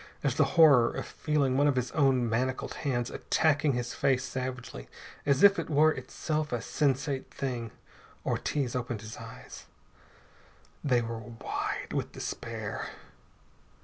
At the horror of feeling one of his own manacled hands attacking his face savagely as if it were itself a sensate thing, Ortiz opened his eyes. They were wide with despair.